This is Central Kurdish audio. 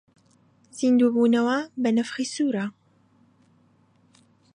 زیندوو بوونەوە بە نەفخی سوورە